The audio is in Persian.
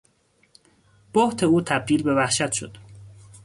بهت او تبدیل به وحشت شد.